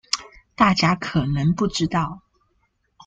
大家可能不知道